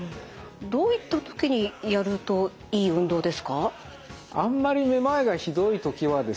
どういったときにやるといい運動ですか？